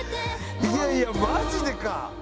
いやいやマジでか！